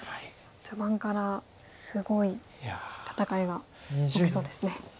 序盤からすごい戦いが起きそうですね。